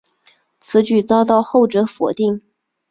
此举遭到后者否定。